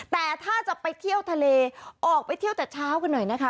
แต่ถ้าจะไปเที่ยวทะเลออกไปเที่ยวแต่เช้ากันหน่อยนะคะ